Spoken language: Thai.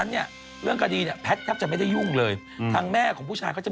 และที่อเมริกา